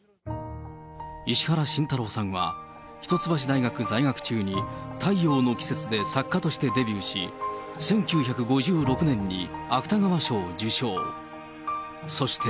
石原慎太郎さんは一橋大学在学中に太陽の季節で作家としてデビューし、１９５６年に芥川賞を受賞。